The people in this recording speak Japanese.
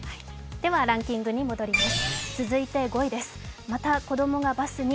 ではランキングに戻ります。